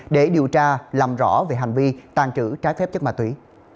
để điều tra làm rõ về hành vi tàn trữ trái phép chất ma túy